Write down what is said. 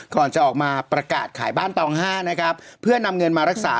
ก่อนจะออกมาประกาศขายบ้านตองห้านะครับเพื่อนำเงินมารักษา